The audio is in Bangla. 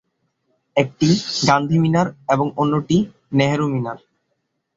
একটি "গান্ধী মিনার" এবং অন্যটি "নেহেরু মিনার"।